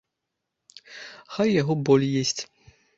Хай яго боль есць!